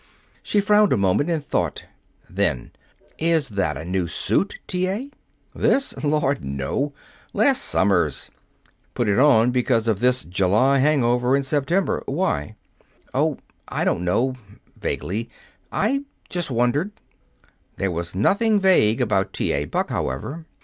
She frowned a moment in thought. Then: "Is that a new suit, T. A.?" "This? Lord, no! Last summer's. Put it on because of this July hangover in September. Why?" "Oh, I don't know" vaguely "I just wondered." There was nothing vague about T. A. Buck, however.